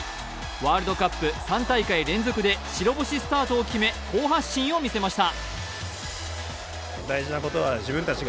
ワールドカップ３大会連続で白星スタートを決め、好発進を見せました。